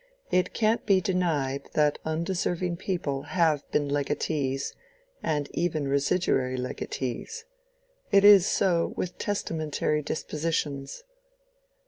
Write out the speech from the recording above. "It can't be denied that undeserving people have been legatees, and even residuary legatees. It is so, with testamentary dispositions."